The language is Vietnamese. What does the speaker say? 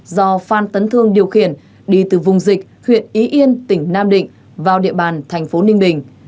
do phan tấn thương điều khiển đi từ vùng dịch huyện ý yên tỉnh nam định vào địa bàn thành phố ninh bình